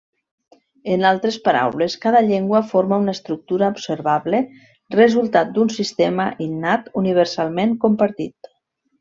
En Altres Paraules, cada llengua forma una estructura observable, resultat d'un sistema innat universalment compartit.